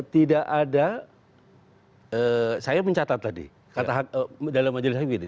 tidak ada saya mencatat tadi dalam majelis saya begini